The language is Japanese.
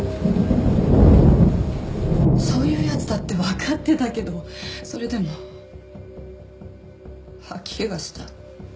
そういう奴だってわかってたけどそれでも吐き気がした。